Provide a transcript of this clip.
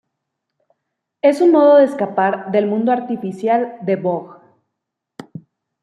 Es su modo de escapar del mundo artificial de 'Vogue'.